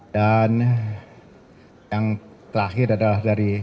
dan yang terakhir adalah dari